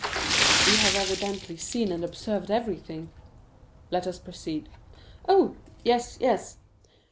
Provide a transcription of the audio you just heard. "You have evidently seen and observed everything." "Let us proceed." "Oh, yes, yes!"